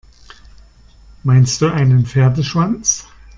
Meinst du einen Pferdeschwanz?